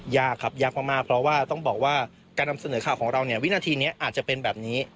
ยากครับยากมากเพราะว่าต้องบอกว่าการนำเสนอข่าวของเราเนี่ยวินาทีนี้อาจจะเป็นแบบนี้